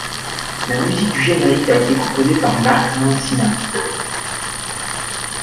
La musique du générique a été composée par Mark Mancina.